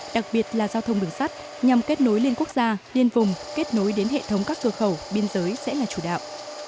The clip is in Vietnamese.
đặc biệt là giao thông đường sắt nhằm kết nối liên quốc gia liên vùng kết nối đến hệ thống các cơ khẩu biên giới sẽ là chủ đạo